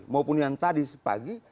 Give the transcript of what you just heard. maupun yang tadi sepagi